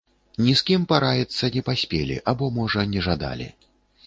Ні з кім параіцца не паспелі, або можа не жадалі.